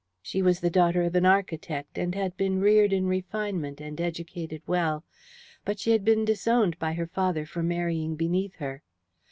She was the daughter of an architect, and had been reared in refinement and educated well, but she had been disowned by her father for marrying beneath her.